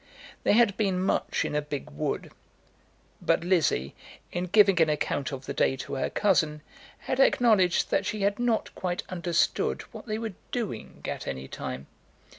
They had been much in a big wood; but Lizzie, in giving an account of the day to her cousin, had acknowledged that she had not quite understood what they were doing at any time.